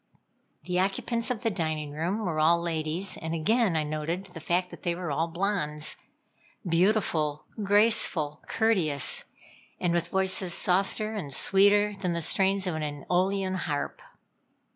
The occupants of the dining room were all ladies, and again I noted the fact that they were all blondes: beautiful, graceful, courteous, and with voices softer and sweeter than the strains of an eolian harp.